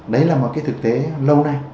đấy là một cái thực tế lâu nay